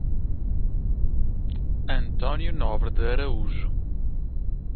Antônio Nobre de Araújo